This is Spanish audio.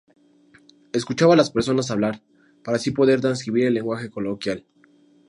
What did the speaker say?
Escuchaba a las personas hablar, para así poder transcribir en lenguaje coloquial.